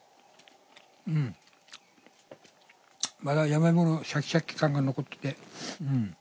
まだ山芋シャキシャキ感が残ってて。